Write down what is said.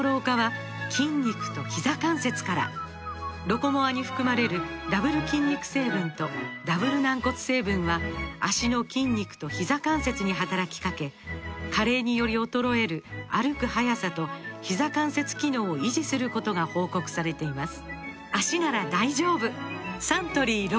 「ロコモア」に含まれるダブル筋肉成分とダブル軟骨成分は脚の筋肉とひざ関節に働きかけ加齢により衰える歩く速さとひざ関節機能を維持することが報告されています